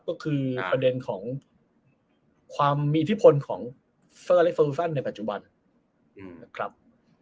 ก็คือประเด็นของความมีอิทธิพลของเฟอร์เล็กเฟอร์ซันในปัจจุบันนะครับ